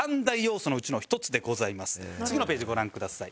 次のページご覧ください。